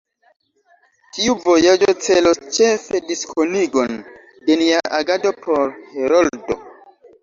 Tiu vojaĝo celos ĉefe diskonigon de nia agado por Heroldo.